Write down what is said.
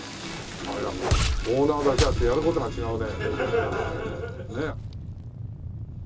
ああやっぱオーナーだけあってやる事が違うね。